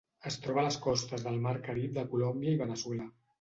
Es troba a les costes del mar Carib de Colòmbia i Veneçuela.